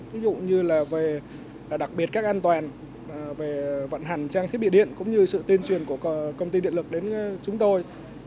ví dụ như là về đặc biệt cách an toàn về vận hành trang thiết bị điện cũng như sự tuyên truyền của công ty điện lực đến chúng tôi